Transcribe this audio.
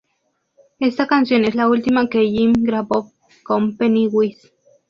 Esta canción es la última que Jim grabó con Pennywise.